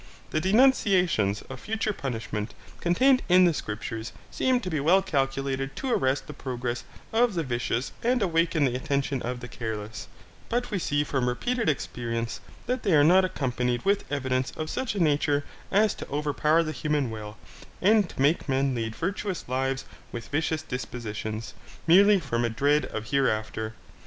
The denunciations of future punishment contained in the scriptures seem to be well calculated to arrest the progress of the vicious and awaken the attention of the careless, but we see from repeated experience that they are not accompanied with evidence of such a nature as to overpower the human will and to make men lead virtuous lives with vicious dispositions, merely from a dread of hereafter.